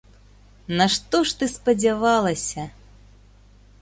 На што ж ты спадзявалася?